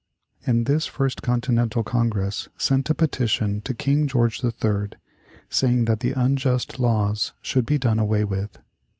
And this First Continental Congress sent a petition to King George III., saying that the unjust laws should be done away with.